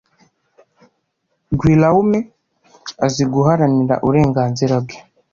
Guillaume azi guharanira uburengaznira bwe